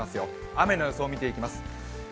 雨の様子を見ていきます。